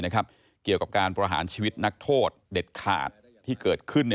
เกี่ยวกับการประหารชีวิตนักโทษเด็ดขาดที่เกิดขึ้น